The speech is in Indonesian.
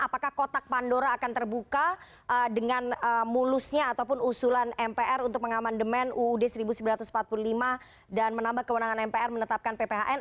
apakah kotak pandora akan terbuka dengan mulusnya ataupun usulan mpr untuk mengamandemen uud seribu sembilan ratus empat puluh lima dan menambah kewenangan mpr menetapkan pphn